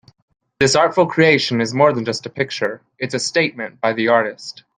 This artful creation is more than just a picture, it's a statement by the artist.